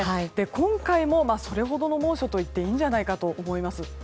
今回もそれほどの猛暑といっていいかと思います。